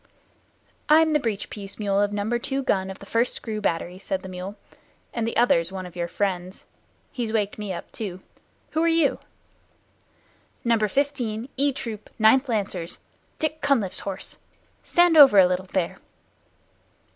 "I'm the breech piece mule of number two gun of the First Screw Battery," said the mule, "and the other's one of your friends. He's waked me up too. Who are you?" "Number Fifteen, E troop, Ninth Lancers Dick Cunliffe's horse. Stand over a little, there."